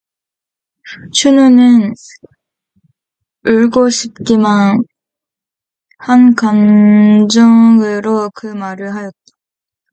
춘우는 울고 싶기만 한 감정으로 그 말을 하였다.